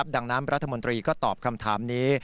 ดังนั้นรัฐมนตรีก็ตอบคำถามนี้